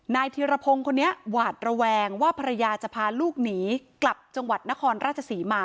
ธีรพงศ์คนนี้หวาดระแวงว่าภรรยาจะพาลูกหนีกลับจังหวัดนครราชศรีมา